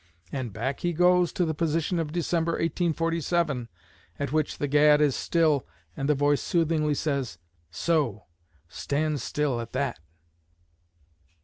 And back he goes to the position of December, 1847, at which the gad is still and the voice soothingly says, 'So! Stand still at that!'"